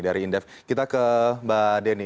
dari indef kita ke mbak denny